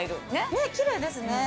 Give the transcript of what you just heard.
ねえ、きれいですね。